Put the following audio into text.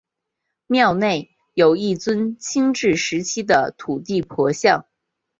庙内有一尊清治时期的土地婆像。